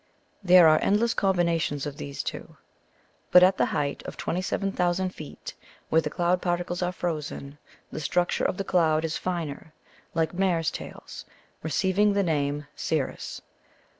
There are endless combinations of these two; but at the height of 27,000 feet, where the cloud particles are frozen, the structure of the cloud is finer, like "mares' tails," receiving the name cirrus.